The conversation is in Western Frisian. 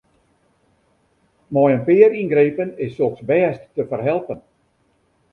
Mei in pear yngrepen is soks bêst te ferhelpen.